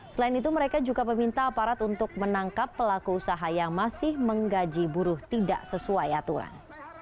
selain itu mereka juga meminta aparat untuk menangkap pelaku usaha yang masih menggaji buruh tidak sesuai aturan